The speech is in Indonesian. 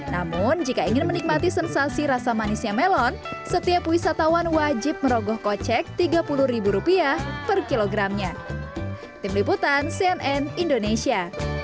namun jika ingin menikmati sensasi rasa manisnya melon setiap wisatawan wajib merogoh kocek rp tiga puluh per kilogramnya